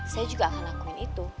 saya juga akan lakuin itu